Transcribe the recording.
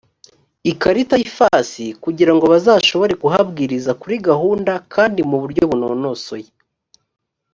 ikarita y ifasi kugira ngo bazashobore kuhabwiriza kuri gahunda kandi mu buryo bunonosoye